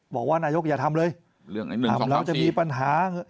บอกว่านายกอย่าทำเลยทำแล้วจะมีปัญหา